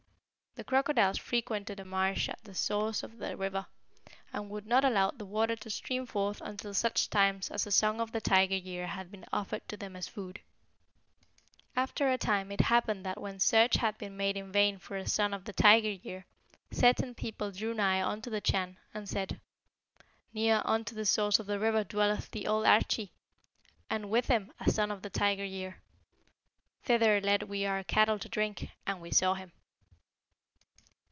The crocodiles frequented a marsh at the source of the river, and would not allow the water to stream forth until such times as a Son of the Tiger year had been offered to them as food. After a time it happened that when search had been made in vain for a Son of the Tiger year, certain people drew nigh unto the Chan, and said, 'Near unto the source of the river dwelleth the old Arschi, and with him a Son of the Tiger year. Thither led we our cattle to drink, and we saw him.'